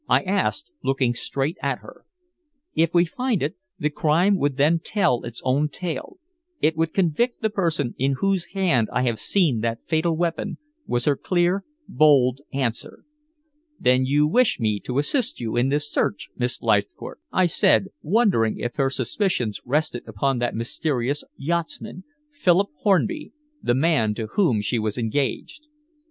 I asked, looking straight at her. "If we find it, the crime would then tell its own tale it would convict the person in whose hand I have seen that fatal weapon," was her clear, bold answer. "Then you wish me to assist you in this search, Miss Leithcourt?" I said, wondering if her suspicions rested upon that mysterious yachtsman, Philip Hornby, the man to whom she was engaged.